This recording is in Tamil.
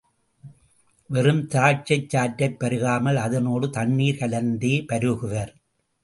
வெறும் திராட்சைச் சாற்றைப் பருகாமல் அதனோடு தண்ணீர் கலந்தே பருகுவர்.